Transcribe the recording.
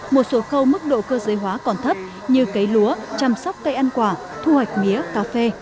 một số khâu mức độ cơ giới hóa còn thấp như cấy lúa chăm sóc cây ăn quả thu hoạch mía cà phê